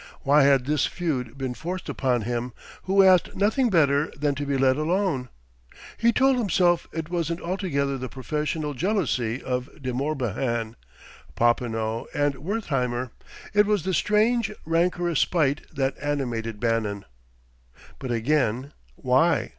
Why had this feud been forced upon him, who asked nothing better than to be let alone? He told himself it wasn't altogether the professional jealousy of De Morbihan, Popinot and Wertheimer; it was the strange, rancorous spite that animated Bannon. But, again, why?